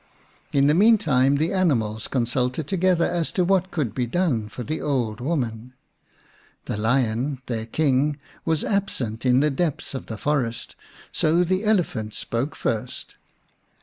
In the meantime the animals consulted to gether as to what could be done for the old woman. The Lion, their King, was absent in 63 The Unnatural Mother vi the depths of the forest, so the Elephant spoke first.